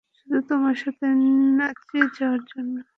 শুধু তোমার সাথে নাচে যাওয়ার জন্য।